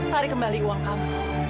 tarik kembali uang kamu